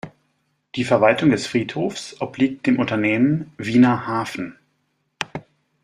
Die Verwaltung des Friedhofs obliegt dem Unternehmen "Wiener Hafen".